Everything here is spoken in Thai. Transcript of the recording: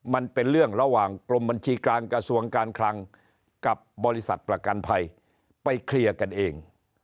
มันเป็นเรื่องระหว่างกรมบัญชีกลางกระทรวงการคลังกับบริษัทประกันภัยไปเคลียร์กันเอง